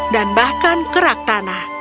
dan bahkan kerak tanah